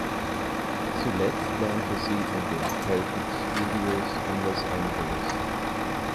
Zuletzt lernte sie in den Celtic Studios in Los Angeles.